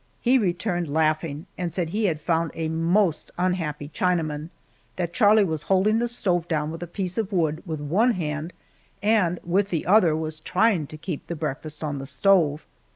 He returned laughing, and said he had found a most unhappy Chinaman; that Charlie was holding the stove down with a piece of wood with one hand, and with the other was trying to keep the breakfast on the stove.